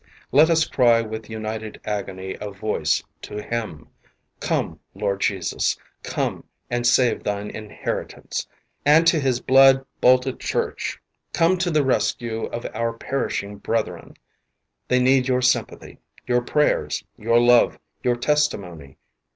Let us cry with united agony of voice to Him : "Come, Lord Jesus, come and save thine inheritance," and to His blood boltight Church : "Come to the rescue of our perishing brethren. They need your sympathy, your prayers, your love, your testimony.